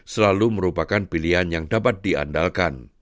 selalu merupakan pilihan yang dapat diandalkan